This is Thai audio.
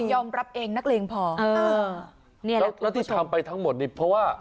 ยอมรับเองนักเลงพอเออเนี่ยแล้วแล้วที่ทำไปทั้งหมดนี่เพราะว่า